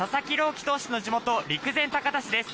希投手の地元陸前高田市です。